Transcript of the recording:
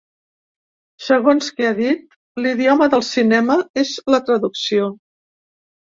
Segons que ha dit, l’idioma del cinema és la traducció.